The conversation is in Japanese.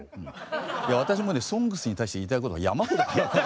いや私もね「ＳＯＮＧＳ」に対して言いたいことが山ほど。